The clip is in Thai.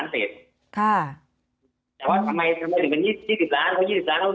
ทำไมถึงเป็น๒๐ล้านคนออกประมาณ๒๓มนุษย์